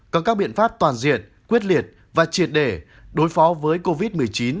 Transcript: có các biện pháp toàn diện quyết liệt và triệt để đối phó với covid một mươi chín